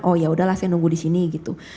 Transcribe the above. oh yaudahlah saya nunggu disini gitu